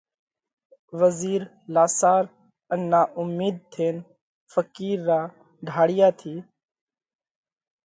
وزِير لاسار ان نا اُومِيڌ ٿينَ ڦقِير را ڍاۯِيا ٿِي